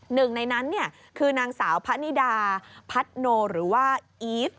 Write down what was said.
หนึ่งในนั้นคือนางสาวพะนิดาพัฒโนหรือว่าอีฟ